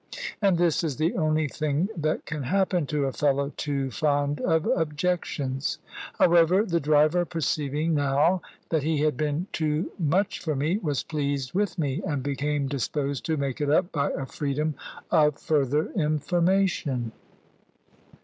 And this is the only thing that can happen to a fellow too fond of objections. However, the driver, perceiving now that he had been too much for me, was pleased with me, and became disposed to make it up by a freedom of further information.